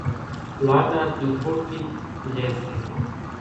لاڏا نِي ۿوُٽِي ليئيَ سي۔